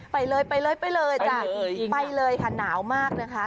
ไปเลยจ้ะไปเลยค่ะหนาวมากนะคะ